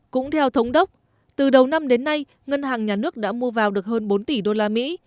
cũng theo thống đốc từ đầu năm đến nay ngân hàng nhà nước đã mua vào được hơn bốn tỷ đô la mỹ